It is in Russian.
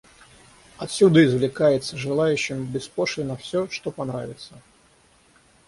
Отсюда извлекается желающим беспошлинно все, что понравится.